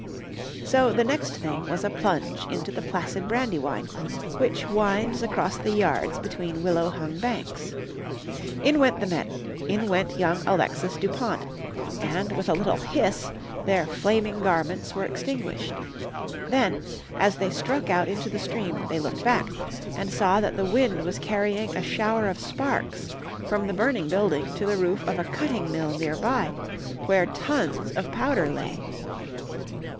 So the next thing was a plunge into the placid Brandywine, which winds across the yards between willow hung banks. In went the men, in went young Alexis Dupont, and with a little hiss their flaming garments were extinguished. Then, as they struck out into the stream, they looked back and saw that the wind was carrying a shower of sparks from the burning building to the roof of a cutting mill near by, where tons of powder lay.